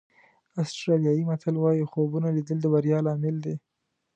آسټرالیایي متل وایي خوبونه لیدل د بریا لامل دي.